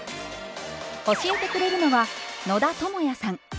教えてくれるのは野田智也さん。